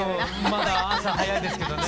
まだ朝早いですけどね。